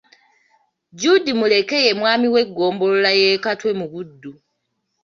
Jude Muleke ye Mwami w'eggombolola y'e Katwe mu Buddu.